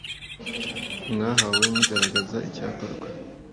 mwahawe mugaragaza icyakorwa